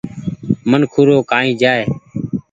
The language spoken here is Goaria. منکون رو ڪآئي جآئي ۔